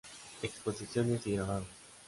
Exposición y Grabados.